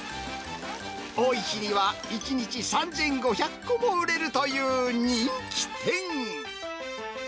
多い日には１日３５００個も売れるという人気店。